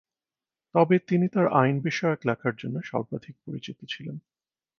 তবে তিনি তাঁর আইন বিষয়ক লেখার জন্য সর্বাধিক পরিচিত ছিলেন।